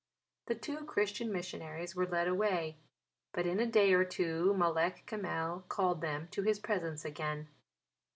The two Christian missionaries were led away; but in a day or two Malek Kamel called them to his presence again.